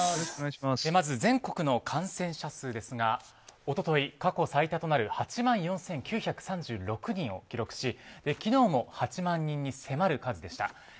まず、全国の感染者数ですが一昨日過去最多となる８万４９３６人を記録し昨日も８万人に迫る数でした。